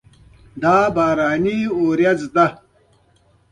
دا ده باراني ورېځه!